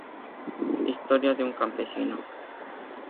Historia de un campesino.